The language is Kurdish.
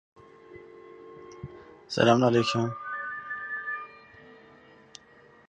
Bi mûşekan mala Serokê Parlamentoya Iraqê hate hedefgirtin.